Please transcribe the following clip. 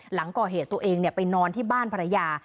หลังก่อเหตุตัวเองไปนอนที่บ้านภรรยา